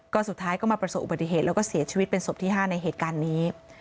ก็สุดท้ายก็มาประสบอุบัติเหตุแล้วก็เสียชีวิตเป็นศพที่๕ในเหตุการณ์นี้